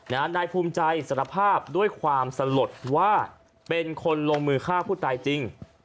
นายภูมิใจสารภาพด้วยความสลดว่าเป็นคนลงมือฆ่าผู้ตายจริง